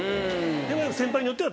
でも先輩によっては。